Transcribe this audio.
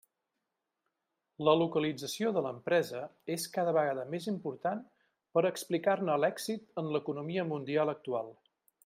La localització de l'empresa és cada vegada més important per a explicar-ne l'èxit en l'economia mundial actual.